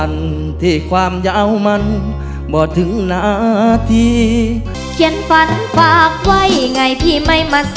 รถได้ครับ